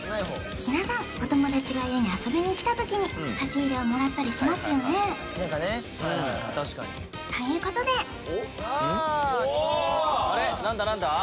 皆さんお友達が家に遊びに来た時に差し入れをもらったりしますよねということで・おおーっあれっ何だ何だ？